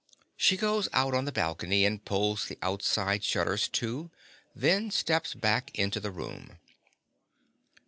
(_She goes out on the balcony and pulls the outside shutters to; then steps back into the room.